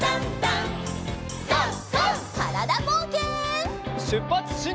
からだぼうけん。